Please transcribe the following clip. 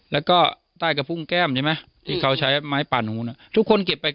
แล้วก็ใต้กระพุงแก้มใช่ไหมที่เขาใช้ไม้ป่าหนูน่ะทุกคนเก็บไป